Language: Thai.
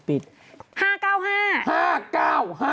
เห็นไหมทางหน้า